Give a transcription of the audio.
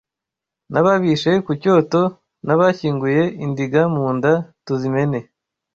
N'ababishe ku cyoto N'abashyinguye indiga mu nda tuzimene